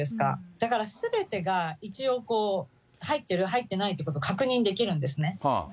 だから、すべてが一応、入ってる、入ってないってことを確認できるんですね。